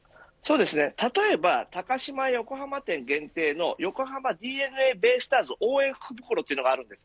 例えば、高島屋横浜店限定の横浜ＤｅＮＡベイスターズ応援福袋というのがあります。